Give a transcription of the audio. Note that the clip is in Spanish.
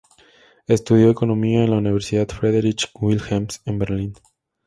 Estudió economía en la Universidad Friedrich-Wilhelms, en Berlín.